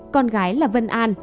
con gái là vân an